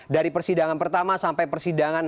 dari persidangan pertama sampai persidangan